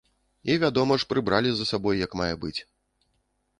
І, вядома ж, прыбралі за сабой як мае быць.